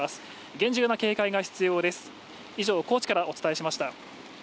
厳重な警戒が必要です。